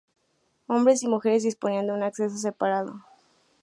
Hombres y mujeres disponían de un acceso separado.